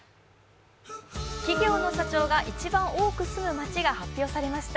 企業の社長が一番多く住む街が発表されました。